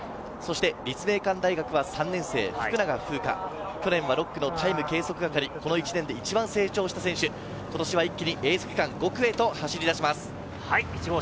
立命館大学は３年生・福永楓花、去年は６区のタイム計測係、この１年で一番成長した選手、ことしは一気にエース区間・５区へと走り出します。